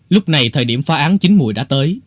lúc này thời điểm phá án chín mùa đã tới